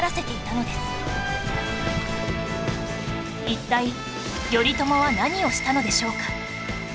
一体頼朝は何をしたのでしょうか？